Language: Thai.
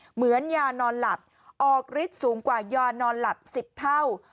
เหมือนยานอนหลับออกฤทธิ์สูงกว่ายานอนหลับ๑๐เท่า